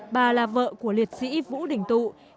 bà là vợ của liệt sĩ vũ đình tụ